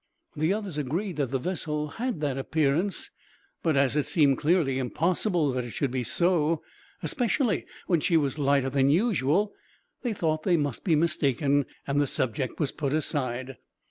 The others agreed that the vessel had that appearance; but as it seemed clearly impossible that it should be so, especially when she was lighter than usual, they thought that they must be mistaken, and the subject was put aside.